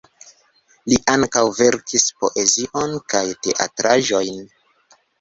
Li ankaŭ verkis poezion kaj teatraĵojn.